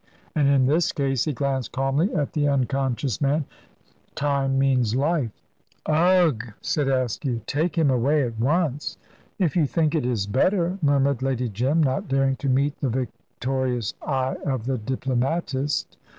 And in this case" he glanced calmly at the unconscious man "time means life." "Ugh!" said Askew. "Take him away at once." "If you think it is better," murmured Lady Jim, not daring to meet the victorious eye of the diplomatist.